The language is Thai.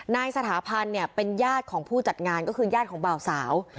นายสถาพันธ์เป็นญาติของผู้จัดงานก็คือญาติของบ่าวสาว